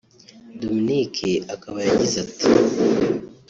Dominic akaba yagize ati